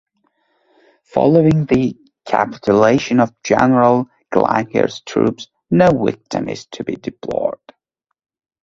Following the capitulation of General Gleiniger's troops, no victim is to be deplored.